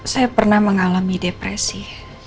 saya pernah mengalami depresi